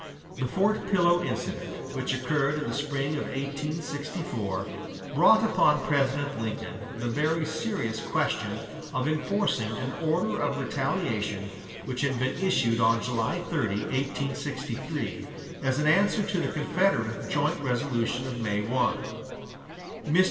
The Fort Pillow incident, which occurred in the spring of 1864, brought upon President Lincoln the very serious question of enforcing an order of retaliation which had been issued on July 30, 1863, as an answer to the Confederate joint resolution of May 1. Mr.